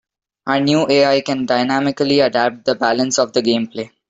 Our new AI can dynamically adapt the balance of the gameplay.